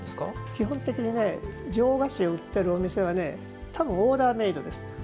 基本的に上菓子を売っているお店は多分、オーダーメードです。